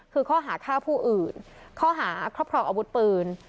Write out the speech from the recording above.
คือข้อหาฆ่าผู้อื่นข้อหาครอบครองอาวุธปืน